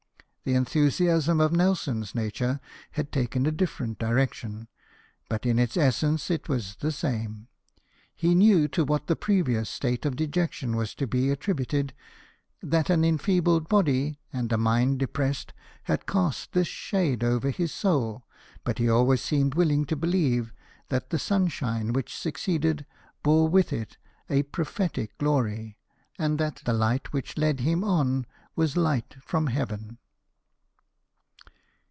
The enthu siasm of Nelson's nature had taken a different direc tion, but in its essence it was the same. He knew to what the previous state of dejection was to be attributed; that an enfeebled body, and a mind depressed, had cast this shade over his soul, but he always seemed willing to believe that the sunshine SECOND LIEUTENANT. 15 which succeeded bore with it a prophetic glory, and that the Hght which led him on Avas "light from heaven."